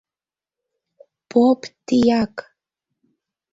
Поп, тияк